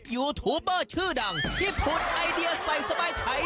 ยูทูบเบอร์ชื่อดังที่ผุดไอเดียใส่สบายไทย